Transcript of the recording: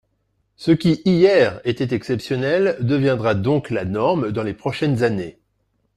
Ce qui, hier, était exceptionnel deviendra donc la norme dans les prochaines années.